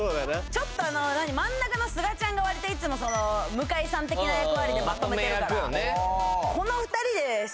ちょっと何真ん中のすがちゃんが割といつも向井さん的な役割でまとめてるからまとめ役よね